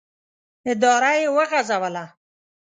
اداره یې وغځوله.